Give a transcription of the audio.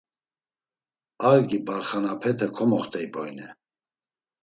Argi barxanapete komoxt̆ey boyne.